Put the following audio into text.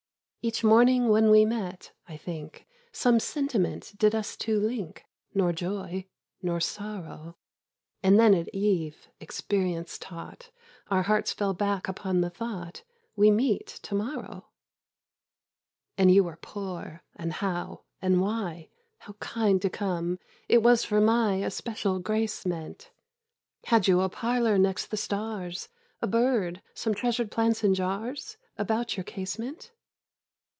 Each morning when we met, I think, Some sentiment did us two link— Nor joy, nor sorrow: And then at eve, experience taught, Our hearts fell back upon the thought,— We meet to morrow! And you were poor; and how? and why? How kind to come! it was for my Especial grace meant! Had you a parlour next the stars, A bird, some treasur'd plants in jars, About your casement?